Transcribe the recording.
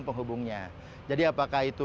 penghubungnya jadi apakah itu